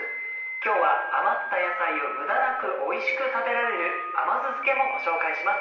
今日は余った野菜を無駄なくおいしく食べられる甘酢漬けもご紹介します。